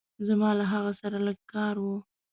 زما له هغه سره لږ کار وه.